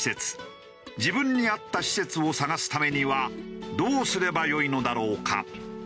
自分に合った施設を探すためにはどうすればよいのだろうか？